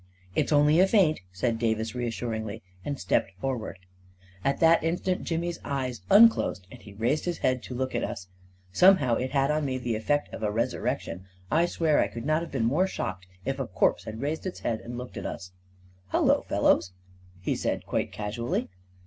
" It's only a faint," said Davis reassuringly, and stepped forward. A KING IN BABYLON 209 And at that instant Jimmy's eyes unclosed, and he raised his head and looked at us. Somehow it had on me the effect of a resurrection. I swear I could not have been more shocked if a corpse had raised its head and looked at us !" Hullo, fellows," he said, quite casually.